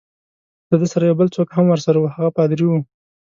له ده سره یو بل څوک هم ورسره وو، هغه پادري وو.